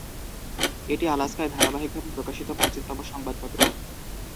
এটি আলাস্কায় ধারাবাহিকভাবে প্রকাশিত প্রাচীনতম সংবাদপত্র।